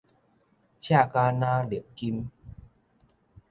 赤甲若瀝金